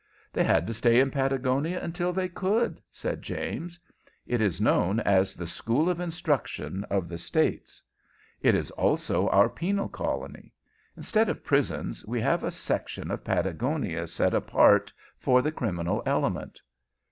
"They had to stay in Patagonia until they could," said James. "It is known as the School of Instruction of the States. It is also our penal colony. Instead of prisons, we have a section of Patagonia set apart for the criminal element."